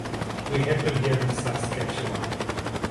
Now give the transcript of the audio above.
We had them here in Saskatchewan.